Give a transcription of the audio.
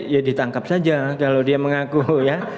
ya ditangkap saja kalau dia mengaku ya